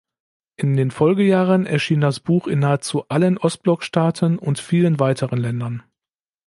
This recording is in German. In den Folgejahren erschien das Buch in nahezu allen Ostblockstaaten und vielen weiteren Ländern.